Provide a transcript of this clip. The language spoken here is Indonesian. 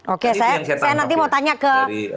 oke saya nanti mau tanya ke